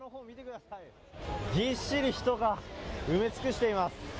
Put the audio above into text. ぎっしり人が埋め尽くしています。